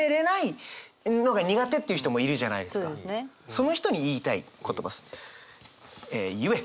その人に言いたい言葉です。